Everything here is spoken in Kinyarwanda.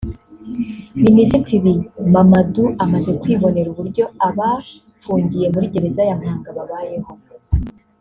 Minisitiri Mamadou amaze kwibonera uburyo abafungiye muri Gereza ya Mpanga babayeho